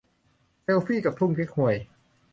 เซลฟี่กับทุ่งเก๊กฮวย